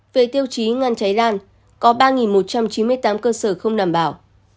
về tiêu chí ngăn cháy lan có ba một trăm chín mươi tám cơ sở không đảm bảo